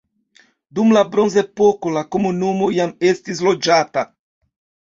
Dum la bronzepoko la komunumo jam estis loĝata.